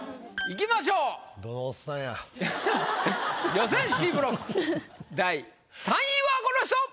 予選Ｃブロック第３位はこの人！